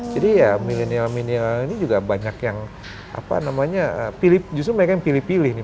jadi ya milenial milenial ini juga banyak yang apa namanya justru mereka yang pilih pilih nih